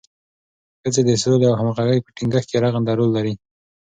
ښځې د سولې او همغږۍ په ټینګښت کې رغنده رول لري.